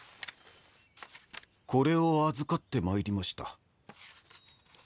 これを預かってまいりました。